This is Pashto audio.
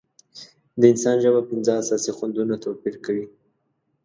د انسان ژبه پنځه اساسي خوندونه توپیر کوي.